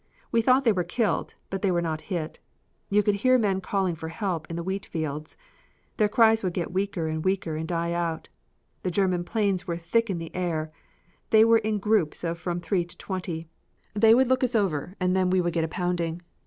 We thought they were killed, but they were not hit. You could hear men calling for help in the wheat fields. Their cries would get weaker and weaker and die out. The German planes were thick in the air; they were in groups of from three to twenty. They would look us over and then we would get a pounding.